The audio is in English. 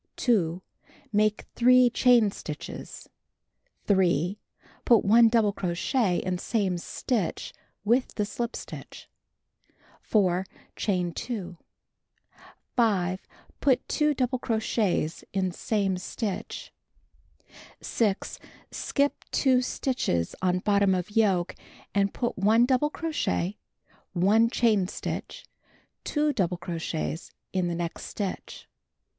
2. Make 3 chain stitches. 3. Put 1 double crochet in same stitch with the slip stitch, 4. Chain 2. 5. Put 2 double crochets in same stitch. 6. Skip 2 stitches on bottom of yoke, and put 1 double crochet, 1 chain stitch, 2 double crochets in the next stitch.